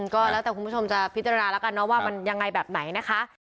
ก็แล้วแต่คุณผู้ชมจะพิจารณาแล้วกันนะว่ามันยังไงแบบไหนนะคะ